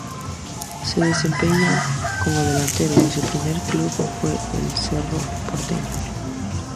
Se desempeñaba como delantero y su primer club fue Cerro Porteño.